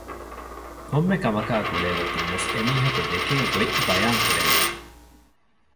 ކޮންމެ ކަމަކާ ގުޅޭ ގޮތުންވެސް އެމީހަކު ދެކޭގޮތް ބަޔާން ކުރެވިދާނެ